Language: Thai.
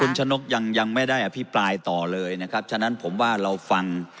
คุณชะนกยังยังไม่ได้อภิปรายต่อเลยนะครับฉะนั้นผมว่าเราฟัง